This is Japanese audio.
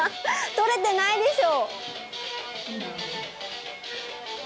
撮れてないでしょ？